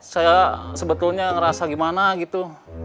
saya sebetulnya ngerasa gimana gitu